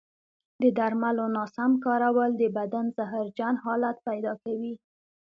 د درملو ناسم کارول د بدن زهرجن حالت پیدا کوي.